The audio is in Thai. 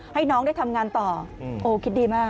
ให้น้องได้ทำงานต่อโอ้คิดดีมาก